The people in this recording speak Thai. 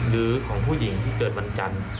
หรือของผู้หญิงที่เกิดวันจันทร์